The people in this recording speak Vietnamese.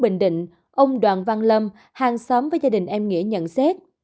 bình định ông đoàn văn lâm hàng xóm với gia đình em nghĩa nhận xét